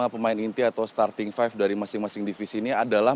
lima pemain inti atau starting lima dari masing masing divisi ini adalah